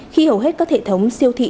khi hầu hết các thể thống siêu thị